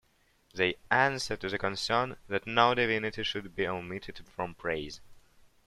They answer to the concern that no divinity should be omitted from praise.